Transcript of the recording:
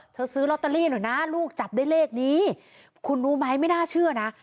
ซื้อลอตเตอรี่หน่อยนะลูกจับได้เลขนี้คุณรู้ไหมไม่น่าเชื่อนะ